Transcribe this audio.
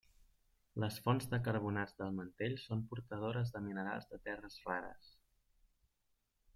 Les fonts de carbonats del mantell són portadores de minerals de terres rares.